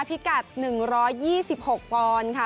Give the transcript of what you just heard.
พิกัด๑๒๖ปอนด์ค่ะ